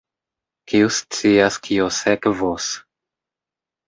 Kiu scias kio sekvos?